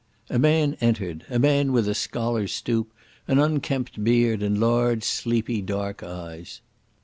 A man entered, a man with a scholar's stoop, an unkempt beard, and large sleepy dark eyes.